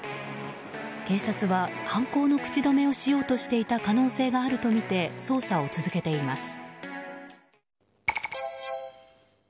警察は犯行の口止めをしようとしていた可能性があるとみて捜査を続けています。